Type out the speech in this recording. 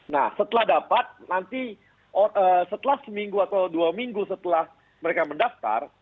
nah setelah dapat nanti setelah seminggu atau dua minggu setelah mereka mendaftar